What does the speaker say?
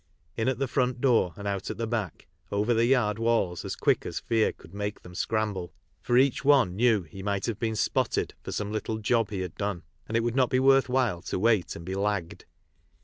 In at the front door and out at the back, over the yard walls as quick as fear could make them scramble, for each one knew he CRIMINAL MANCHESTER — CHARTER STREET. might Lave been " spotted'' for some little " job" he had done, and it would not be worth while to wait and be "lagged."